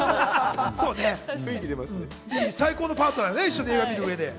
最高のパートナーだね、一緒に見る上で。